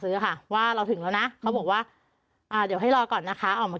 ซื้อค่ะว่าเราถึงแล้วนะเขาบอกว่าอ่าเดี๋ยวให้รอก่อนนะคะออกมา